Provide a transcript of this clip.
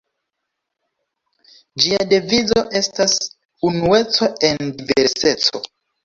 Ĝia devizo estas 'unueco en diverseco.